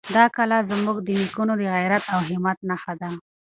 دا کلا زموږ د نېکونو د غیرت او همت نښه ده.